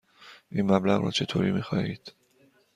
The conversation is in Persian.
این مبلغ را چطوری می خواهید؟